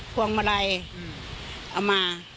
พวงมาลัยเอามา